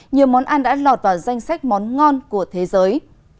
nhiều món ăn đã lọt vào danh sách món ngon của thế giới